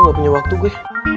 gak punya waktu gue